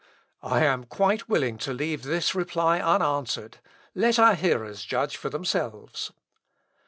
_ "I am quite willing to leave this reply unanswered: let our hearers judge for themselves."